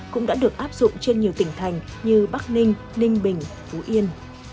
cũng đã được áp dụng trên nhiều tỉnh thành như bắc ninh ninh bình phú yên